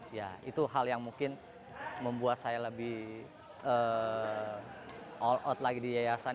ya itu hal yang mungkin membuat saya lebih all out lagi di yayasan